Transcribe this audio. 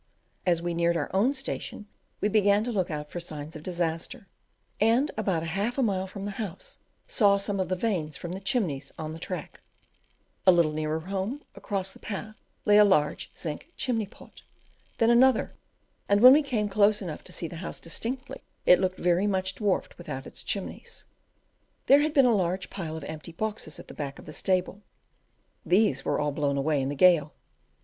As we neared our own station we began to look out for signs of disaster; and about half a mile from the house saw some of the vanes from the chimneys on the track; a little nearer home, across the path lay a large zinc chimney pot; then another; and when we came close enough to see the house distinctly, it looked very much dwarfed without its chimneys. There had been a large pile of empty boxes at the back of the stable; these were all blown away in the gale.